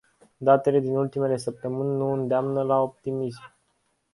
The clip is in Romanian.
Datele din ultimele săptămâni nu îndeamnă la optimism.